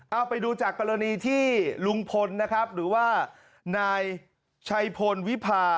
เอาไปดูจากกรณีที่ลุงพลนะครับหรือว่านายชัยพลวิพา